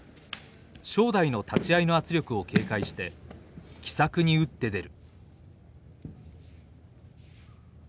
正代の立ち合いの圧力を警戒して奇策に打って出る。